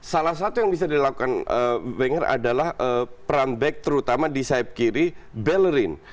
salah satu yang bisa dilakukan wenger adalah peran back terutama di sayap kiri bellerin